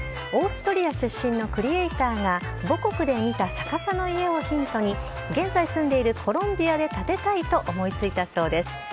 オーストリア出身のクリエーターが、母国で見た逆さの家をヒントに、現在住んでいるコロンビアで建てたいと思いついたそうです。